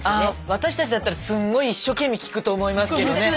あ私たちだったらすんごい一生懸命聞くと思いますけどね。